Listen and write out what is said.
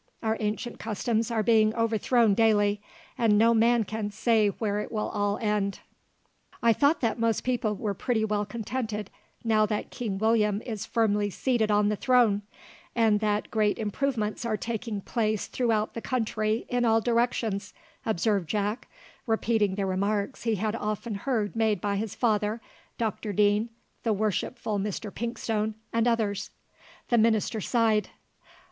Our ancient customs are being overthrown daily, and no man can say where it will all end." "I thought that most people were pretty well contented now that King William is firmly seated on the throne, and that great improvements are taking place throughout the country in all directions," observed Jack, repeating the remarks he had often heard made by his father, Dr Deane, the Worshipful Mr Pinkstone, and others. The minister sighed.